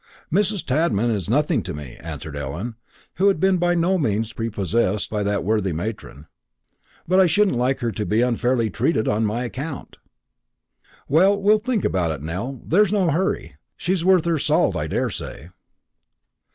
"Mrs. Tadman is nothing to me," answered Ellen, who had been by no means prepossessed by that worthy matron; "but I shouldn't like her to be unfairly treated on my account." "Well, we'll think about it, Nell; there's no hurry. She's worth her salt, I daresay."